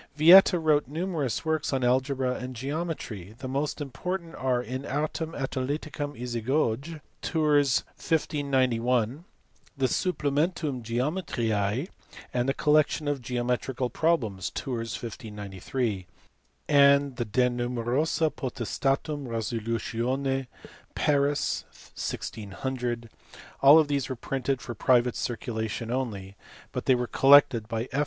Yieta wrote numerous works on algebra and geometry. The most important are the In Artem Analyticam Isagoge, Tours, 1591; the Supplementum Geometriae and a collection of geome trical problems, Tours, 1593; and the De Numerosa Potestatum Resolutions, Paris, 1600 : all of these were printed for private circulation only, but they were collected by F.